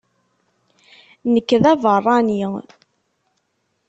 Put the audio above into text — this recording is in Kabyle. Nekk d abeṛṛani.